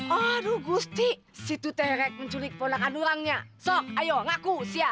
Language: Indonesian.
ah aduh gusti situ terek menculikd for aduan nya shok ayo ngaku iya